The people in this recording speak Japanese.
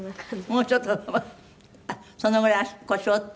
もうちょっとあっそのぐらい腰折って？